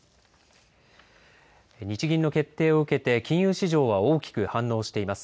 日銀の決定を受けて、金融市場は大きく反応しています。